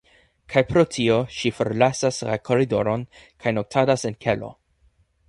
Kaj pro tio ŝi forlasas la koridoron kaj noktadas en kelo.